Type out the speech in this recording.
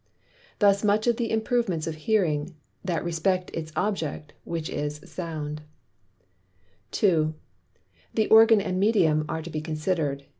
Thus much of the Improvements of Hearing, that respect its Object, which is Sound. 2. The Organ and Medium are to be consider'd.